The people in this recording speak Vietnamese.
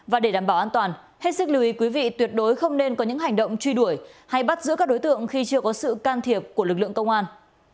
và để đảm bảo an toàn hết sức lưu ý quý vị tuyệt đối không nên có những hành động truy đuổi hay bắt giữ các đối tượng khi chưa có sự can thiệp của lực lượng công an